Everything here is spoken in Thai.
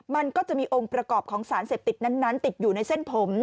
มันก็จะมีองค์ประกอบของสารเสพติดนั้นติดอยู่ในเส้นผม